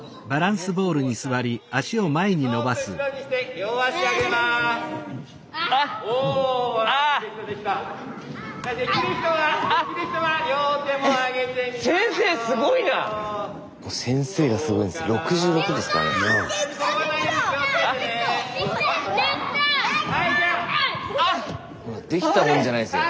スタジオできたもんじゃないですよ。